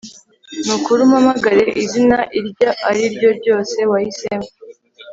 Nukuri umpamagare izina iryo ari ryo ryose wahisemo